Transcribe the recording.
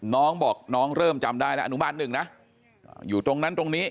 น้องบอกน้องเริ่มจำได้แล้วอนุบาลหนึ่งนะอยู่ตรงนั้นตรงนี้